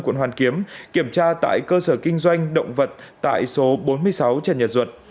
quận hoàn kiếm kiểm tra tại cơ sở kinh doanh động vật tại số bốn mươi sáu trần nhật duật